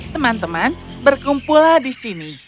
teman teman berkumpullah di sini